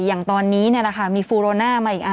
อย่างตอนนี้เนี่ยมี่าหรือเงินภูโรน่าน่า